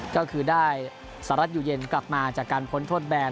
ก็คือได้สหรัฐอยู่เย็นกลับมาจากการพ้นโทษแบน